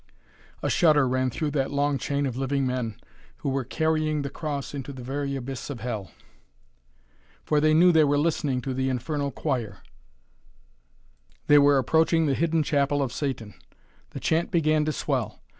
A shudder ran through that long chain of living men, who were carrying the Cross into the very abyss of Hell. For they knew they were listening to the infernal choir, they were approaching the hidden chapel of Satan. The chant began to swell.